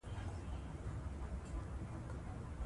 که تاسو ډیوډرنټ وکاروئ، بدن خوشبویه پاتې کېږي.